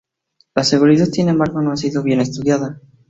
La seguridad, sin embargo, no ha sido bien estudiada.